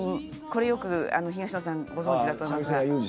これ、東野さんよくご存じだと思います。